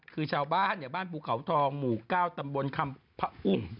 คือชาวบ้านบ้านปูเขาทองหมู่ก้าวตำบอนคัมภะอุ่ม